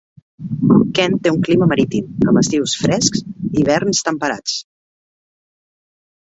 Kent té un clima marítim, amb estius frescs i hiverns temperats.